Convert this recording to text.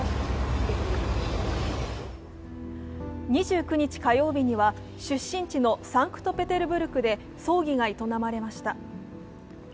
２９日火曜日には出身地のサンクトペテルブルクで葬儀が営まれました。